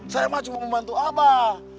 saya mah cuma membantu abah